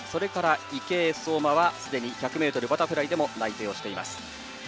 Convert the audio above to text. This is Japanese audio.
池江、相馬は、すでに１００ｍバタフライでも内定しています。